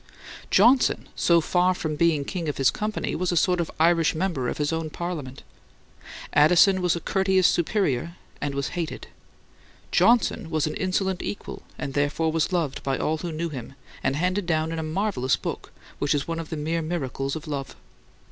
Johnson, so far from being king of his company, was a sort of Irish Member in his own Parliament. Addison was a courteous superior and was hated. Johnson was an insolent equal and therefore was loved by all who knew him, and handed down in a marvellous book, which is one of the mere miracles of love.